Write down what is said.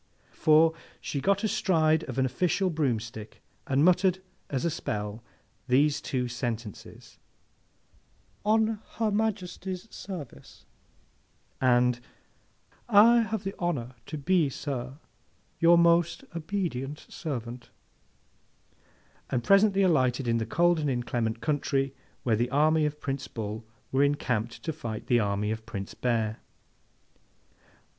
For, she got astride of an official broomstick, and muttered as a spell these two sentences, 'On Her Majesty's service,' and 'I have the honour to be, sir, your most obedient servant,' and presently alighted in the cold and inclement country where the army of Prince Bull were encamped to fight the army of Prince Bear.